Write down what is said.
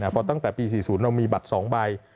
เพราะตั้งแต่ปี๔๐เรามีบัตร๒ใบ